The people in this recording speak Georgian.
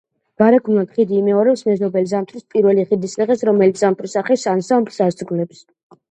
გარეგნულად ხიდი იმეორებს მეზობელი ზამთრის პირველი ხიდის სახეს, რომელიც ზამთრის არხის ანსამბლს ასრულებს.